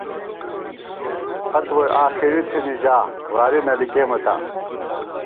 خط وُوئی آخری تھنی ژا، وارِی نہ لِکِمېم تاں